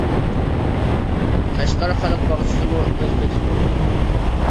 قەشقەر خەلق باغچىسىمۇ ئۆز پېتى تۇرۇپتۇ.